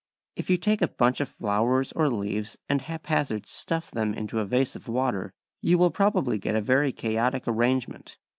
If you take a bunch of flowers or leaves and haphazard stuff them into a vase of water, you will probably get a very chaotic arrangement.